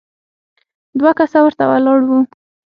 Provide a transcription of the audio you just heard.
دوه کسه ورته ولاړ وو.